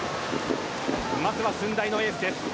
まずは駿台のエースです。